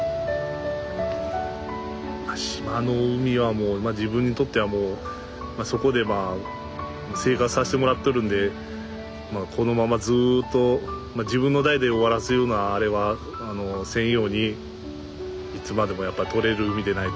まあ島の海はもう自分にとってはもうそこで生活させてもらっとるんでこのままずっと自分の代で終わらせるようなあれはせんようにいつまでもやっぱとれる海でないと。